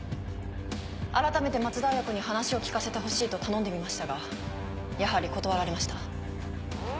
あらためて松田綾子に話を聞かせてほしいと頼んでみましたがやはり断られました。